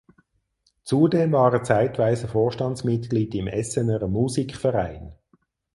Zudem war er zeitweise Vorstandsmitglied im Essener Musikverein.